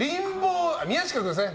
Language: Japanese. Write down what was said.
宮近君ですね。